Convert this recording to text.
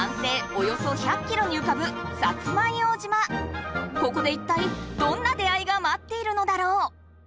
およそ１００キロにうかぶここでいったいどんな出会いがまっているのだろう？